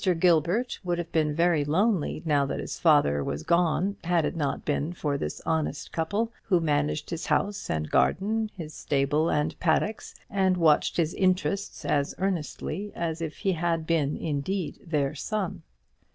Gilbert would have been very lonely now that his father was gone, had it not been for this honest couple, who managed his house and garden, his stable and paddocks, and watched his interests as earnestly as if he had been indeed their son.